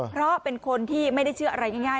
เพราะเป็นคนที่ไม่ได้เชื่ออะไรง่าย